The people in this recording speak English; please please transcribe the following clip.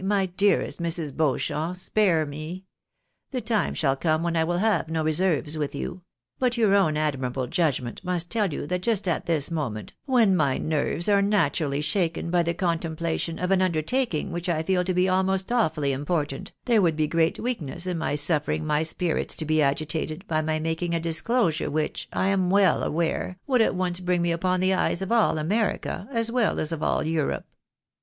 my dearest Mrs. Beauchamp ! spare me ! The time shall come when I wiU have no reserves with you ; but your own admirable judgment must tell you that just at this moment, when my nerves are naturally shaken by the contemplation of an under taking which I feel to be almost awfully important, there would be great weakness in my suffering my spirits to be agitated by my making a disclosiu'e which, I am well aware, would at once bring upon me the eyes of aU America, as well as of all Europe.